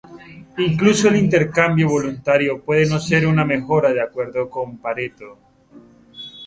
Incluso el intercambio voluntario puede no ser una mejora de acuerdo con Pareto.